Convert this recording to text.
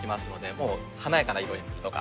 もう華やかな色にするとか。